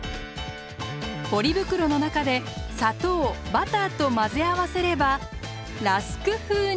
ポリ袋の中で砂糖バターと混ぜ合わせればラスク風に。